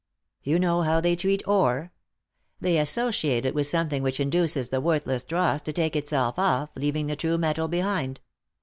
You know how they treat ore ? They associate it with something which induces the worthless dross to take itself off, leaving the true metal behind.